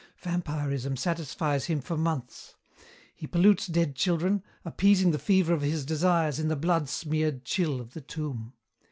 "Vampirism satisfies him for months. He pollutes dead children, appeasing the fever of his desires in the blood smeared chill of the tomb.